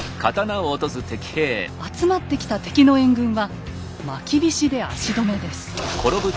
集まった敵の援軍はまきびしで足止めです。